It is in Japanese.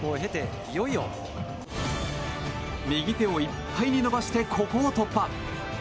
右手をいっぱいに伸ばしてここを突破。